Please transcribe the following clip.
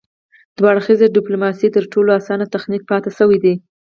دوه اړخیزه ډیپلوماسي تر ټولو اسانه تخنیک پاتې شوی دی